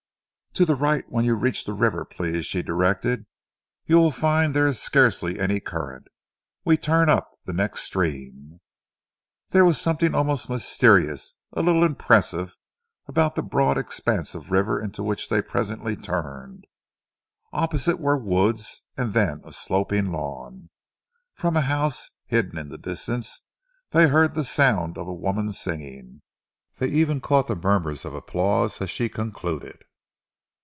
"To the right when you reach the river, please," she directed. "You will find there is scarcely any current. We turn up the next stream." There was something almost mysterious, a little impressive, about the broad expanse of river into which they presently turned. Opposite were woods and then a sloping lawn. From a house hidden in the distance they heard the sound of a woman singing. They even caught the murmurs of applause as she concluded.